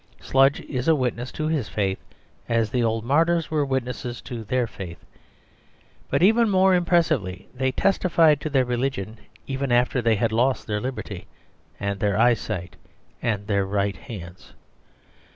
Sludge is a witness to his faith as the old martyrs were witnesses to their faith, but even more impressively. They testified to their religion even after they had lost their liberty, and their eyesight, and their right hands.